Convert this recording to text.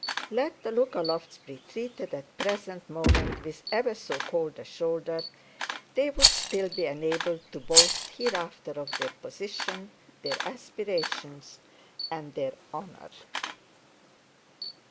Let the Lookalofts be treated at the present moment with ever so cold a shoulder, they would still be enabled to boast hereafter of their position, their aspirations, and their honour.